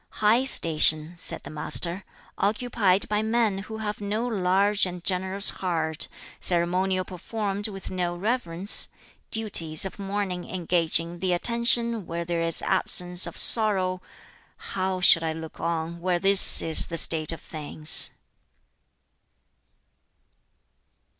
"High station," said the Master, "occupied by men who have no large and generous heart; ceremonial performed with no reverence; duties of mourning engaging the attention, where there is absence of sorrow; how should I look on, where this is the state of things?"